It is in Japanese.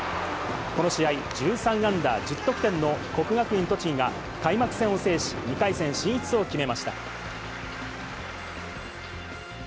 この試合、１３安打１０得点の国学院栃木が開幕戦を制し、２回戦進出を決めました。